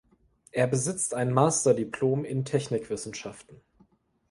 Er besitzt ein Master-Diplom in Technikwissenschaften.